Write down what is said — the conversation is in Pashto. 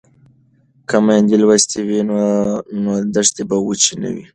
که میندې لوستې وي نو دښتې به وچې نه وي.